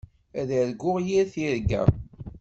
Ad arguɣ yir tirga.